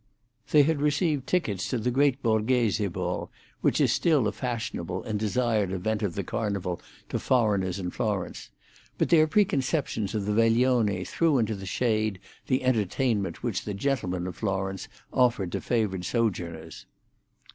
They had received tickets to the great Borghese ball, which is still a fashionable and desired event of the Carnival to foreigners in Florence; but their preconceptions of the veglione threw into the shade the entertainment which the gentlemen of Florence offered to favoured sojourners.